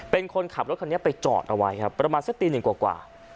เป็นคนขับรถคันนี้ไปจอดเอาไว้ครับประมาณสักตีหนึ่งกว่า